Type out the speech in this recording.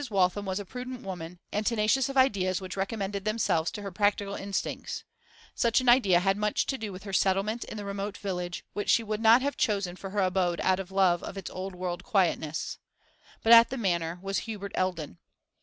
Waltham was a prudent woman, and tenacious of ideas which recommended themselves to her practical instincts; such an idea had much to do with her settlement in the remote village, which she would not have chosen for her abode out of love of its old world quietness. But at the Manor was Hubert Eldon.